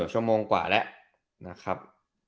ชั่วโมงกว่าแล้วนะครับ